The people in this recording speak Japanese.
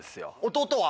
弟は？